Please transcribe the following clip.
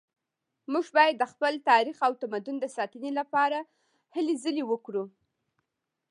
موږ باید د خپل تاریخ او تمدن د ساتنې لپاره هلې ځلې وکړو